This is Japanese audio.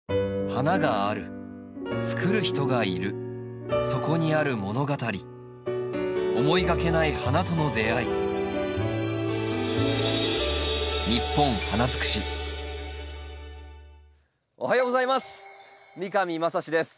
花があるつくる人がいるそこにある物語思いがけない花との出会いおはようございます。